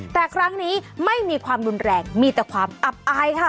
แต่ครั้งนี้ไม่มีความรุนแรงมีแต่ความอับอายค่ะ